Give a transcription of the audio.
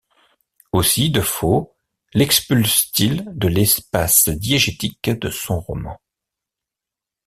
Aussi, Defoe l'expulse-t-il de l'espace diégétique de son roman.